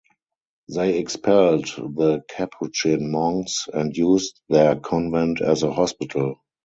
They expelled the Capuchin monks and used their convent as a hospital.